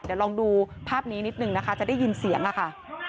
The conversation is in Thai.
เดี๋ยวลองดูภาพนี้นิดหนึ่งนะคะจะได้ยินเสียงค่ะ